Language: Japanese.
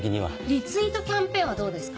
リツイートキャンペーンはどうですか？